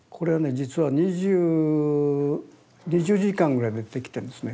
実は２０２０時間ぐらいで出来てるんですね。